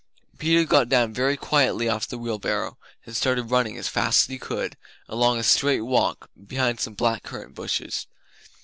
Peter got down very quietly off the wheel barrow and started running as fast as he could go, along a straight walk behind some black currant bushes.